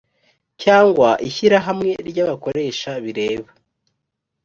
cyangwa ishyirahamwe ry abakoresha bireba